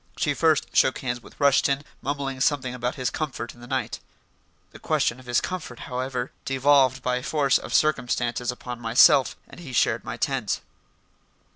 She first shook hands with Rushton, mumbling something about his comfort in the night. The question of his comfort, however, devolved by force of circumstances upon myself, and he shared my tent.